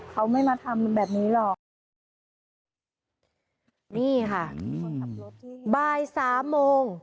เขาไม่มาทำแบบนี้หรอกนี่ค่ะบ่ายสามโมง